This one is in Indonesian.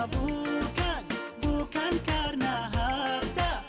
bukan bukan karena harta